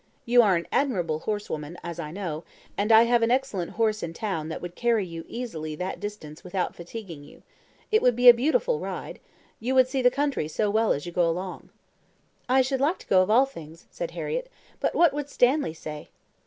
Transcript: You are an admirable horsewoman, as I know, and I have an excellent horse in town that would carry you easily that distance without fatiguing you. It would be a beautiful ride. You would see the country so well as you go along." "I should like to go, of all things," said Harriett; "but what would Stanley say?"